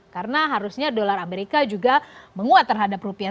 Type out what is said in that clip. karena harusnya dolar amerika juga menguat terhadap rupiah